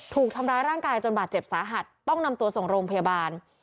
ถูกทำร้ายร่างกายจนบาดเจ็บสาหัสต้องนำตัวส่งโรงพยาบาล